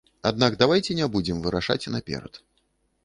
Аднак давайце не будзем вырашаць наперад.